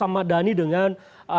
ahmad dhani dengan